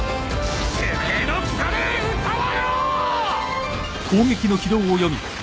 てめえの汚え唄はよ！！